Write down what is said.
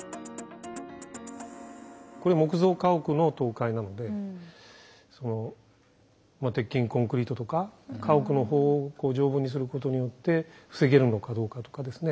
これ木造家屋の倒壊なのでその鉄筋コンクリートとか家屋の方を丈夫にすることによって防げるのかどうかとかですね